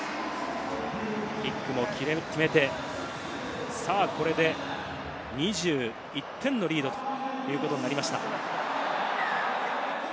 キックも決めて、これで２１点のリードということになりました。